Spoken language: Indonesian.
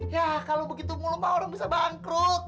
yah kalo begitu mulu mah orang bisa bangkrut